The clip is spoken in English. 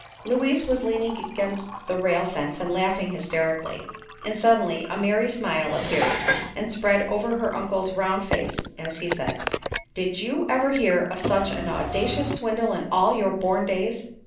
Louise was leaning against the rail fence and laughing hysterically, and suddenly a merry smile appeared and spread over her uncle's round face as he said: "Did you ever hear of such an audacious swindle in all your born days?"